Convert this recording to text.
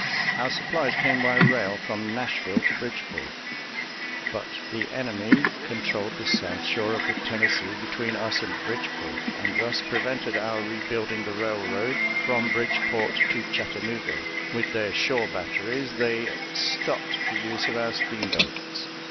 Our supplies came by rail from Nashville to Bridgeport; but the enemy controlled the south shore of the Tennessee between us and Bridgeport, and thus prevented our rebuilding the railroad from Bridgeport to Chattanooga; with their shore batteries they stopped the use of our steamboats.